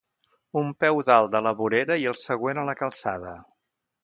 Un peu dalt de la vorera i el següent a la calçada.